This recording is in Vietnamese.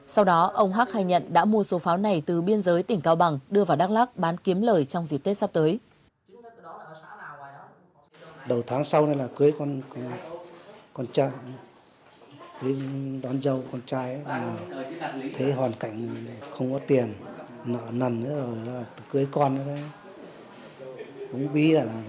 sau đó ông hắc khai nhận đã mua số pháo này từ biên giới tỉnh cao bằng đưa vào đắk lắc bán kiếm lời trong dịp tết sắp tới